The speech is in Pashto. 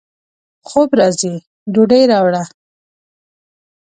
خوب راځي ، ډوډۍ راوړه